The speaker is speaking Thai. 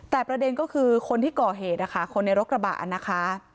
แต่ประเด็นก็คือคนที่ก่อเหตุนะคะคนในรถกระบะนะคะ